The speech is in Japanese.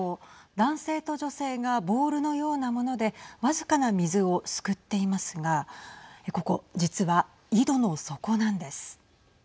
男性と女性がボウルのようなもので僅かな水をすくっていますがここ、実は井戸の底なんです。